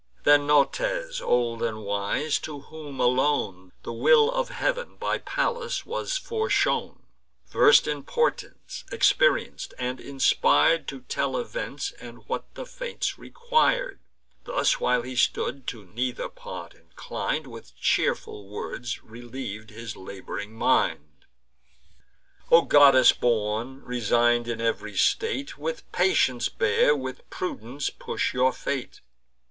Then Nautes, old and wise, to whom alone The will of Heav'n by Pallas was foreshown; Vers'd in portents, experienc'd, and inspir'd To tell events, and what the fates requir'd; Thus while he stood, to neither part inclin'd, With cheerful words reliev'd his lab'ring mind: "O goddess born, resign'd in ev'ry state, With patience bear, with prudence push your fate.